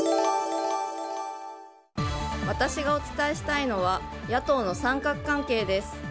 私がお伝えしたいのは野党の三角関係です。